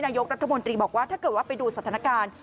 นายกรัฐมนตรีบอกว่าถ้าเกิดว่าไปดูสถานการณ์